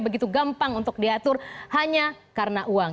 begitu gampang untuk diatur hanya karena uang